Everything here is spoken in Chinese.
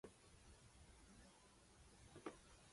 您瞧瞧，这叫一个地道！